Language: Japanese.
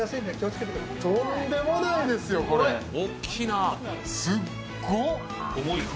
とんでもないですよ、これ、すっご！！